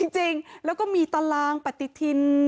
จริงแล้วก็มีตารางปฏิทิน